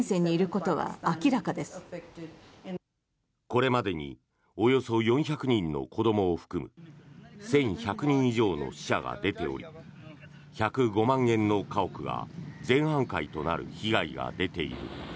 これまでにおよそ４００人の子どもを含む１１００人以上の死者が出ており１０５万軒の家屋が全半壊になる被害が出ている。